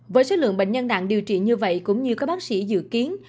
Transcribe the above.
với số lượng bệnh nhân nặng điều trị như vậy cũng như các bác sĩ dự kiến